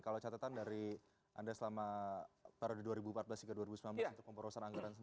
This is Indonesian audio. kalau catatan dari anda selama pada dua ribu empat belas hingga dua ribu sembilan belas